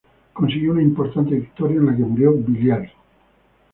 Consiguió una importante victoria, en la que murió Villiers.